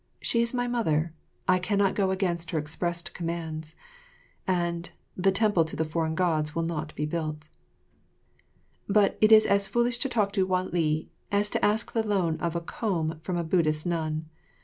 She is my mother. I cannot go against her expressed commands;" and the temple to the foreign God will not be built. [Illustration: Mylady16.] But it is as foolish to talk to Wan li as "to ask the loan of a comb from a Buddhist nun."